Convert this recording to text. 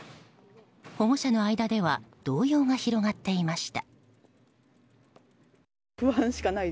保護者の間では動揺が広がっていました。